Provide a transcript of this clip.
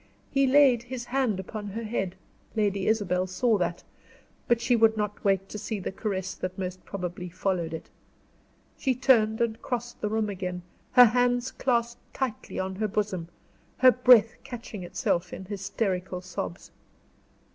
He laid his hand upon her head; Lady Isabel saw that, but she would not wait to see the caress that most probably followed it. She turned and crossed the room again, her hands clasped tightly on her bosom, her breath catching itself in hysterical sobs.